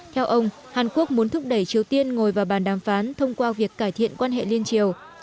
theo ông hàn quốc muốn thúc đẩy triều tiên ngồi vào bàn đàm phán thông qua việc cải thiện quan hệ liên triều